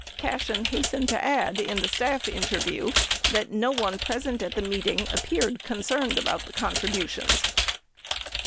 Cashen hastened to add, in the staff interview, that no one present at the meeting appeared concerned about the contributions.